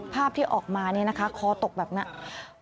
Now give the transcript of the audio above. ภาพที่ออกมาคอตกแบบนั้น